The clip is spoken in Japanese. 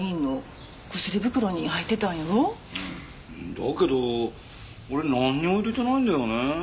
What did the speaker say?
だけど俺なんにも入れてないんだよね。